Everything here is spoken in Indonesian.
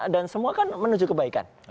dan semua kan menuju kebaikan